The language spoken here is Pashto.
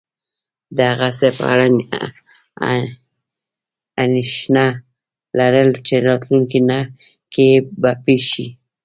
د هغه څه په اړه انېښنه لرل چی راتلونکي کې به پیښ شې